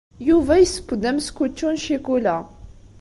Yuba yesseww-d ameskučču n ccikula.